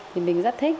thì mình rất thích